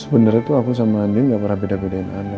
sebenernya tuh aku sama andin gak pernah beda bedain anak mah